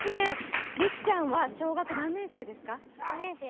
りっちゃんは、小学何年生ですか？